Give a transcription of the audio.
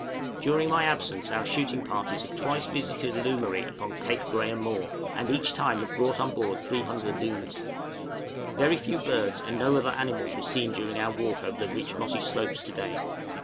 During my absence our shooting parties have twice visited a loomery upon Cape Graham Moore, and each time have brought on board 300 looms. Very few birds and no other animals were seen during our walk over the rich mossy slopes to day.